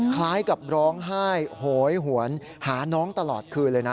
คล้ายกับร้องไห้โหยหวนหาน้องตลอดคืนเลยนะ